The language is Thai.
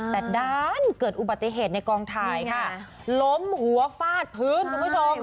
แต่ด้านเกิดอุบัติเหตุในกองถ่ายค่ะล้มหัวฟาดพื้นคุณผู้ชม